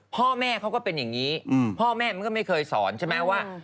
พ่อแม่เขาก็เป็นอย่างนี้พ่อแม่มันก็ไม่เคยสอนใช่ไหมว่า